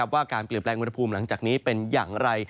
ว่าการเปลี่ยนแปลงอุณหภูมิหลังจากนี้เป็นอย่างไร